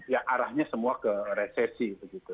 yang arahnya semua ke resesi begitu